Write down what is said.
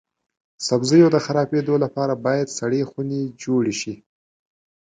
سبزیو د خرابیدو لپاره باید سړې خونې جوړې شي.